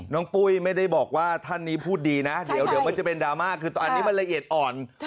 น้องปุ้ยไม่ได้บอกว่าท่านนี้พูดดีนะหลังไงมันจะเป็นดรามาก๗๐๐๐๐ตอนนี้มันละเอียดอ่อน